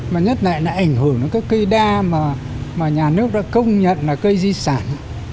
mà nhất lại là ảnh hưởng đến các cây đa mà nhà nước đã công nhận là cây di sản